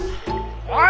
おい！